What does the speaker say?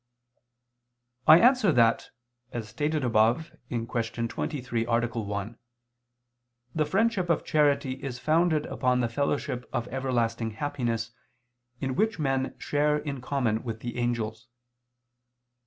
I answer that, As stated above (Q. 23, A. 1), the friendship of charity is founded upon the fellowship of everlasting happiness, in which men share in common with the angels.